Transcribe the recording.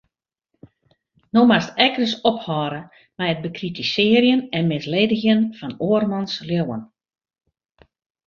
No moatst ek ris ophâlde mei it bekritisearjen en misledigjen fan oarmans leauwen.